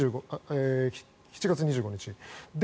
７月２５日。